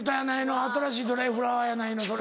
新しい『ドライフラワー』やないのそれ。